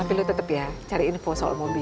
eh tapi lu tetep ya cari info soal mobil